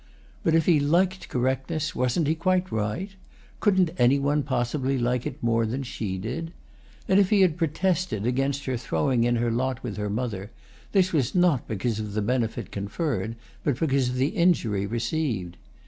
But if he liked correctness wasn't he quite right? Could any one possibly like it more than she did? And if he had protested against her throwing in her lot with her mother, this was not because of the benefit conferred but because of the injury received.